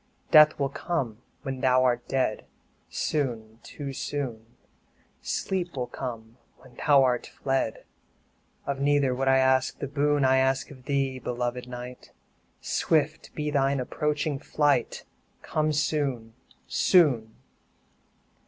5 Death will come when thou art dead, Soon, too soon Sleep will come when thou art fled; Of neither would I ask the boon I asked of thee, beloved Night Swift be thy approaching flight, Come soon, soon!